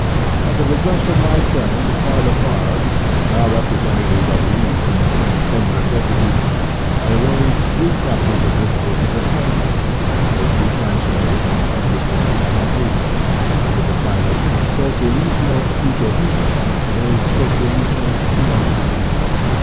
At the request of my friend, Paul Lafargue, now representative of Lille in the French Cham ber of Deputies, I arranged three chapters of this book as a pamphlet, which he translated and pub lished in 1880, under the title: "Socialisme utopique et Socialisme scientifique."